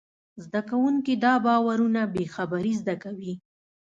زدهکوونکي دا باورونه بېخبري زده کوي.